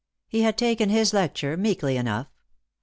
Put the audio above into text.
He had taken his lecture meekly enough.